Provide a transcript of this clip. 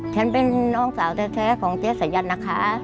ฉันเป็นน้องสาวแท้ของเจ๊สายันนะคะ